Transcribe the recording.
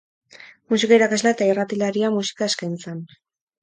Musika irakaslea eta irratilaria musika eskaintzen.